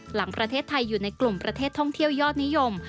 หลังประเทศไทยอยู่ในกลุ่มประเทศท่องเที่ยวยอดนิยม